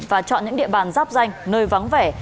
và chọn những địa bàn giáp danh nơi vắng vẻ